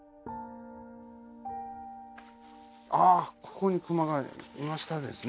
ああここにクマがいましたですね。